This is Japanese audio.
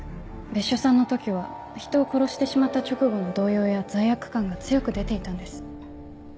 別所さんの時は人を殺してしまった直後の動揺や罪悪感が強く出ていたんです。